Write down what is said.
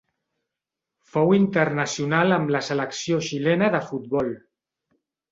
Fou internacional amb la selecció xilena de futbol.